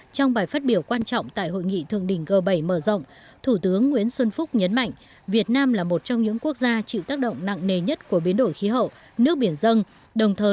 trong bài phát biểu quan trọng tại hội nghị thượng đỉnh g bảy mở rộng thủ tướng nguyễn xuân phúc nhấn mạnh việt nam là một trong những quốc gia chịu tác động nặng nề nhất của biến đổi khí hậu nước biển dân